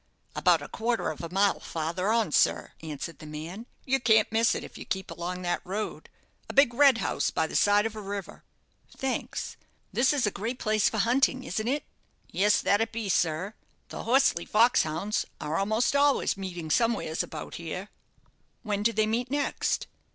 "About a quarter of a mile farther on, sir," answered the man; "you can't miss it if you keep along that road. A big red house, by the side of a river." "Thanks. This is a great place for hunting, isn't it?" "Yes, that it be, sir. The Horsley foxhounds are a'most allus meeting somewheres about here." "When do they meet next?"